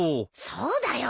そうだよ。